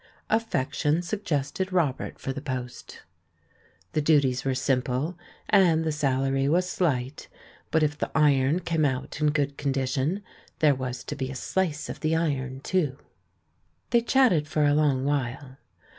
Affection suggested Robert for the post. The duties were simple, and the salary was slight, but if the iron came out in good condition, there was to be a slice of the iron, too. They chatted for a long while.